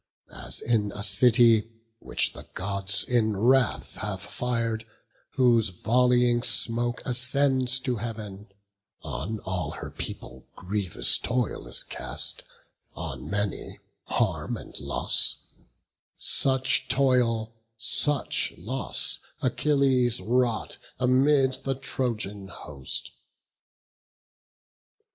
As in a city, which the Gods in wrath Have fir'd, whose volleying smoke ascends to Heav'n, On all her people grievous toil is cast, On many, harm and loss; such toil, such loss Achilles wrought amid the Trojan host.